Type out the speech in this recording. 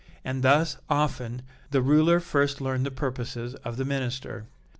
And thus, often, the ruler first learned the purposes of the Minister.